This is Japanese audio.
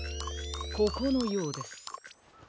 ここのようです。